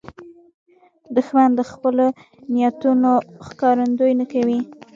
دښمن د خپلو نیتونو ښکارندویي نه کوي